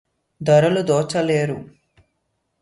దొరలు దోచలేరు